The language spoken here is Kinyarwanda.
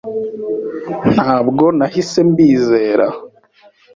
Ntabwo nahise mbizera.